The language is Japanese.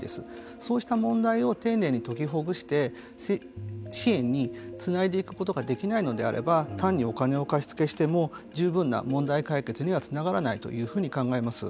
そうした問題を丁寧に解きほぐして支援につないでいくことができないのであれば単にお金を貸付しても十分な問題解決にはつながらないというふうに考えます。